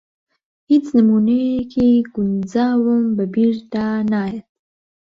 ھیچ نموونەیەکی گونجاوم بە بیردا ناھێت.